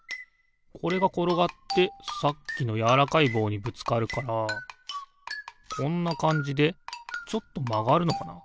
これがころがってさっきのやわらかいぼうにぶつかるからこんなかんじでちょっとまがるのかな。